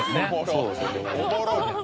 そうですね